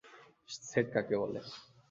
Set কাকে বলে?